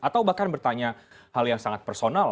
atau bahkan bertanya hal yang sangat personal